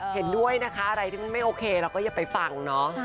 เห็นด้วยนะคะอะไรที่มันไม่โอเคเราก็อย่าไปฟังเนาะ